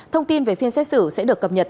thông tin về phiên xét xử sẽ được cập nhật